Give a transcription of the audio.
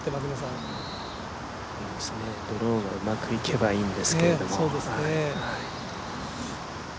そうですね、ドローがうまくいけばいいんですけども。